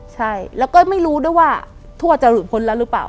ใช่แล้วก็ไม่รู้ด้วยว่าทั่วจะหลุดพ้นแล้วหรือเปล่า